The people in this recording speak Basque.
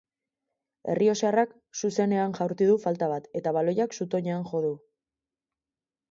Errioxarrak zuzenean jaurti du falta bat, eta baloiak zutoinean jo du.